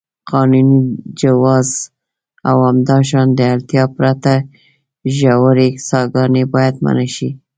قانوني جواز او همداشان د اړتیا پرته ژورې څاګانې باید منع شي.